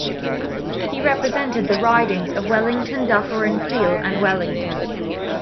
He represented the ridings of Wellington-Dufferin-Peel and Wellington.